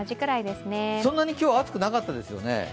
そんなに今日、暑くなかったですよね。